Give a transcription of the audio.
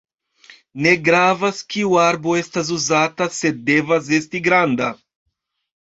Ne gravas kiu arbo estas uzata, sed devas esti granda.